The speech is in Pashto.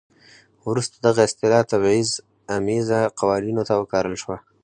وروسته دغه اصطلاح تبعیض امیزه قوانینو ته وکارول شوه.